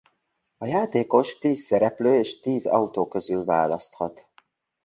A játékos tíz szereplő és tíz autó közül választhat.